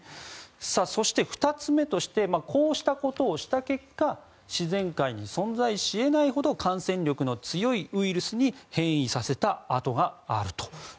そして、２つ目としてこうしたことをした結果自然界に存在し得ないほど感染力の強いウイルスに変異させた痕があったと。